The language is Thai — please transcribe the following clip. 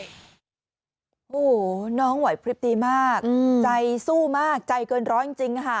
โอ้โหน้องไหวพลิบดีมากใจสู้มากใจเกินร้อยจริงค่ะ